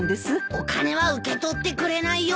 お金は受け取ってくれないよ。